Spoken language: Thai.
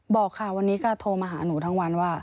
บอกค่ะวันนี้ก็โทรมาหาหนูทั้งวันว่า